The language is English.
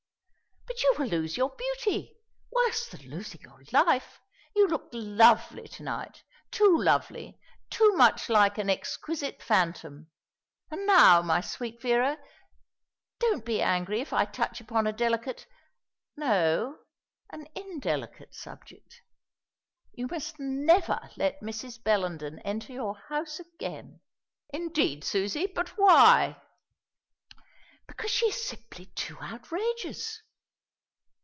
"But you will lose your beauty worse than losing your life. You looked lovely to night too lovely, too much like an exquisite phantom. And now, my sweet Vera, don't be angry if I touch upon a delicate no, an indelicate subject. You must never let Mrs. Bellenden enter your house again." "Indeed, Susie! But why?" "Because she is simply too outrageous!"